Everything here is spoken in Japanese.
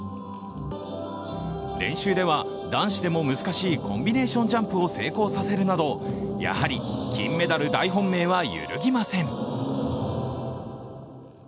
練習では、男子でも難しいコンビネーションジャンプを成功させるなどやはり金メダル大本命は揺るぎません。